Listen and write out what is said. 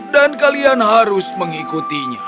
dan kalian harus mengikutinya